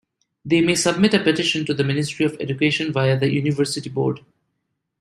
They may submit a petition to the Ministry of Education via the University Board.